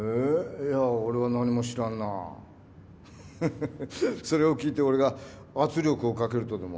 いや俺は何も知らんなそれを聞いて俺が圧力をかけるとでも？